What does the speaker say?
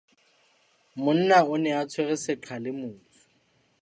Monna o ne a tshwere seqha le motsu.